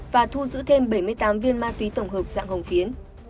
và thu giữ thêm bảy mươi tám viên ma túy tổng hợp dạng hồng phiến